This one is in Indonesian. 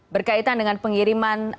berkaitan dengan pengiriman